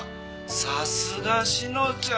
さすが志乃ちゃん！